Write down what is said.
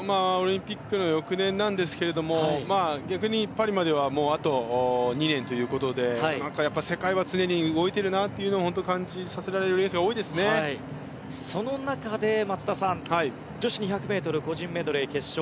オリンピックの翌年なんですが逆にパリまではあと２年ということで世界は常に動いているなというのを感じさせられるその中で松田さん女子２００ｍ個人メドレー決勝。